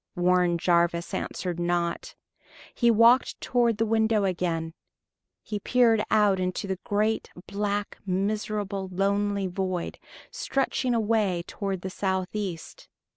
Warren Jarvis answered not. He walked toward the window again. He peered out into the great, black, miserable, lonely void stretching away toward the southeast.